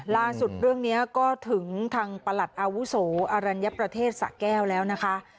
เรื่องนี้ก็ถึงทางประหลัดอาวุโสอรัญญประเทศสะแก้วแล้วนะคะ